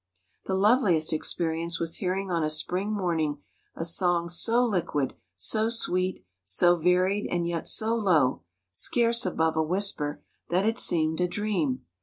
The loveliest experience was hearing on a spring morning a song so liquid, so sweet, so varied, and yet so low, scarce above a whisper, that it seemed a dream.